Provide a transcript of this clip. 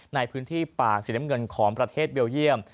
ในพื้นที่ป่าสีน้ำเงินของประเทศเบลเยี่ยม